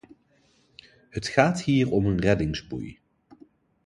Het gaat hier om een reddingsboei.